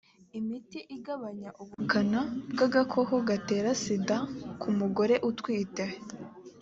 imiti igabanya ubukana bw agakoko gatera sida ku mugore utwite